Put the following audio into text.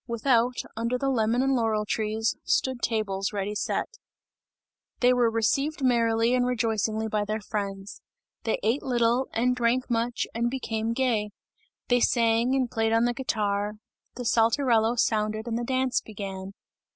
Without, under the lemon and laurel trees, stood tables ready set. They were received merrily and rejoicingly by their friends; they ate little and drank much and became gay; they sang, and played on the guitar; the Saltarello sounded and the dance began.